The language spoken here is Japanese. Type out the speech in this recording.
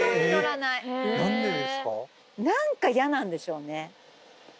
なんか嫌なんでしょうね。